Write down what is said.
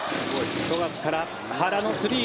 富樫から原のスリー。